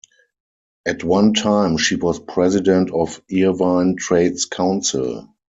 At one time she was president of Irvine Trades Council.